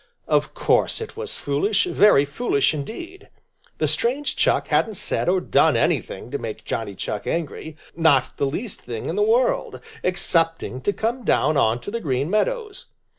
Of course it was foolish, very foolish indeed. The strange Chuck hadn't said or done anything to make Johnny Chuck angry, not the least thing in the world, excepting to come down on to the Green Meadows.